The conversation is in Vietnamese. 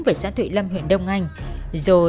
về xã thụy lâm huyện đông anh rồi đến đền sái